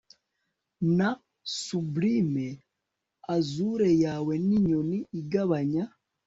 Na sublime azure yawe ninyoni igabanya